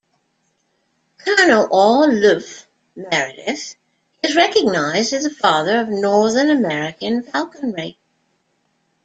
Colonel R. Luff Meredith is recognized as the father of North American falconry.